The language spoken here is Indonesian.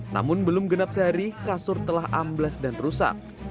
namun belum genap sehari kasur telah ambles dan rusak